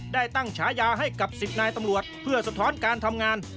ได้ตั้งฉายาให้กับ๑๐นายตำรวจเพื่อสะท้อนการทำงาน